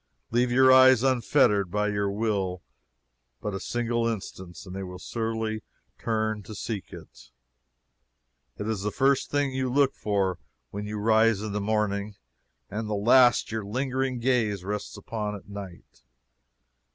Leave your eyes unfettered by your will but a single instant and they will surely turn to seek it. It is the first thing you look for when you rise in the morning, and the last your lingering gaze rests upon at night.